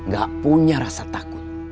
gak punya rasa takut